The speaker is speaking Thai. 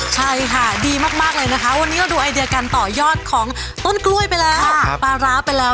ใช่ค่ะดีมากเลยนะคะวันนี้เราดูไอเดียการต่อยอดของต้นกล้วยไปแล้วปลาร้าไปแล้ว